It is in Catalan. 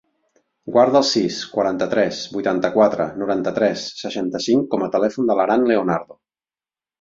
Guarda el sis, quaranta-tres, vuitanta-quatre, noranta-tres, seixanta-cinc com a telèfon de l'Aran Leonardo.